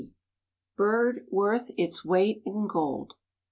BIRD WORTH ITS WEIGHT IN GOLD.